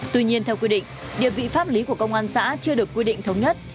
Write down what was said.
tuy nhiên theo quy định địa vị pháp lý của công an xã chưa được quy định thống nhất